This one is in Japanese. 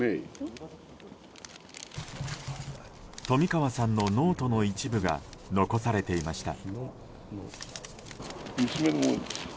冨川さんのノートの一部が残されていました。